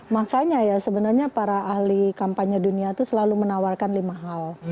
makanya ya sebenarnya para ahli kampanye dunia itu selalu menawarkan lima hal